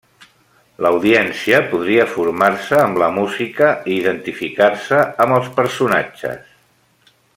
L'audiència podria formar-se amb la música i identificar-se amb els personatges.